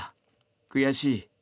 悔しい。